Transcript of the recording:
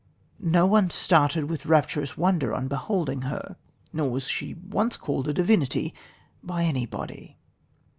Not one started with rapturous wonder on beholding her...nor was she once called a divinity by anybody."